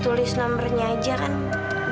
tulis nomernya aja kan gini